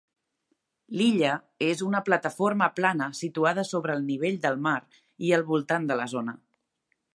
L'illa és una plataforma plana situada sobre el nivell del mar i al voltant de la zona.